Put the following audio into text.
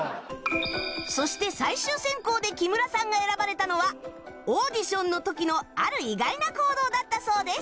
そして最終選考で木村さんが選ばれたのはオーディションの時のある意外な行動だったそうです